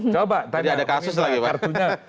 jadi ada kasus lagi pak